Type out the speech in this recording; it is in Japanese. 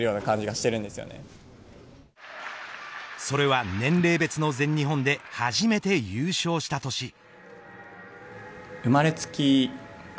それは年齢別の全日本で初めて優勝した年。